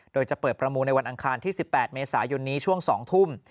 โดยจะเปิดประมูลในวันอังคารที่๑๘เมษายนนี้ช่วง๒ทุ่ม